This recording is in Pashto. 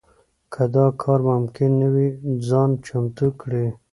که دا کار ممکن نه وي ځان چمتو کړي.